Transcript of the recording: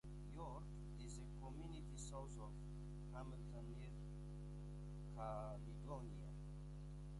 York is a community south of Hamilton near Caledonia.